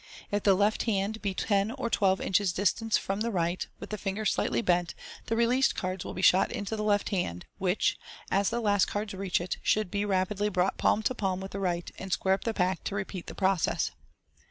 If the left hand be held at ten or twelve inches distance from the right, with the ringers slightly bent, the released cards will be shot into the left hand, which, as the last cards reach it, should be rapidly brought palm to palm with the right, and square up the pack to repeat the process.